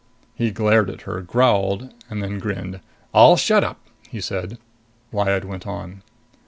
He glared at her, growled, then grinned. "I'll shut up," he said. Lyad went on.